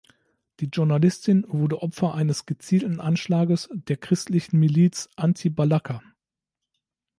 Die Journalistin wurde Opfer eines gezielten Anschlages der christlichen Miliz Anti-Balaka.